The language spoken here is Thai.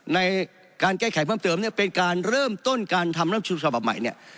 ในการแก้ไขเพิ่มเติมเนี่ยเป็นการเริ่มต้นการทำรัฐชูฉบับใหม่เนี่ย